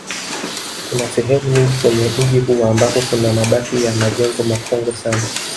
Kuna sehemu nyingi kwenye mji huu ambako kuna mabaki ya majengo makongwe sana